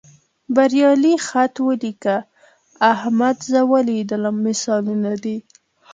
بریالي خط ولیکه، احمد زه ولیدلم مثالونه دي.